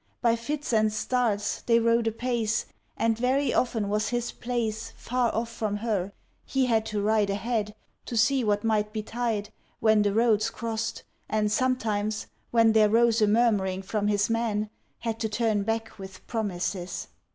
By fits and starts they rode apace, And very often was his place Far off from her; he had to ride Ahead, to see what might betide When the roads cross'd; and sometimes, when There rose a murmuring from his men, Had to turn back with promises.